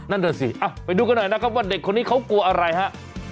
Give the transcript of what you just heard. นั่นน่ะสิไปดูกันหน่อยนะครับว่าเด็กคนนี้เขากลัวอะไรฮะ